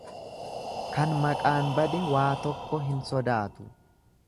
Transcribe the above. Kan maqaan bade waa tokko hin sodaatu.